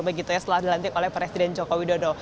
setelah dilantik oleh presiden joko widodo